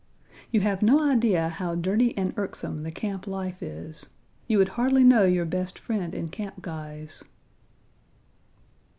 You have no idea how dirty and irksome the camp life is. You would hardly know your best friend in camp guise."